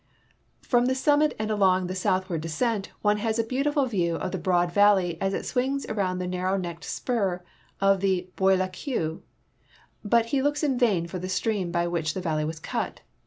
Fi*om the summit and along the south ward descent one has a beautiful view of the broad valley as it swings around the narrow necked sjiur of the Bois la Queue, but he looks in vain for the stream by which the valley was cut.